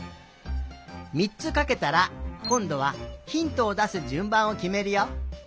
３つかけたらこんどはひんとをだすじゅんばんをきめるよ。